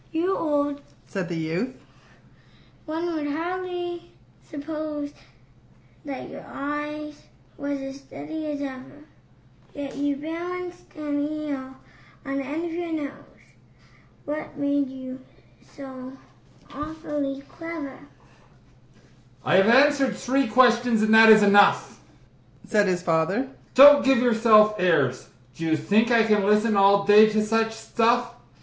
"You are old," said the youth, "one would hardly suppose That your eye was as steady as ever; Yet you balanced an eel on the end of your nose What made you so awfully clever?" "I have answered three questions, and that is enough," Said his father. "Don't give yourself airs! Do you think I can listen all day to such stuff?